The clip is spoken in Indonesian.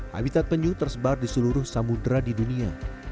habitat penyuh tersebar di seluruh samudera di dunia